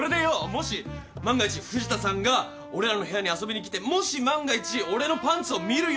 もし万が一藤田さんが俺らの部屋に遊びに来てもし万が一俺のパンツを見るような状況に。